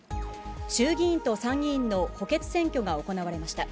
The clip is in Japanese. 衆議院と参議院の補欠選挙が行われました。